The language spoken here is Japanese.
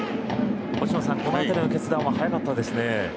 星野さん、このあたりの決断は早かったですね。